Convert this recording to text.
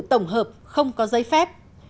tổng hợp không có giấy phép